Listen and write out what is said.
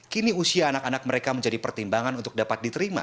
kini usia anak anak mereka menjadi pertimbangan untuk dapat diterima